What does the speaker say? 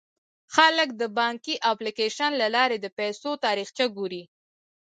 خلک د بانکي اپلیکیشن له لارې د پيسو تاریخچه ګوري.